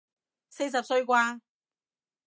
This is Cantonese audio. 四十歲啩